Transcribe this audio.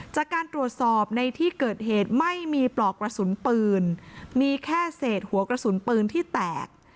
จากการตรวจสอบในที่เกิดเหตุไม่มีปลอกกระสุนปืนมีแค่เศษหัวกระสุนปืนที่แตก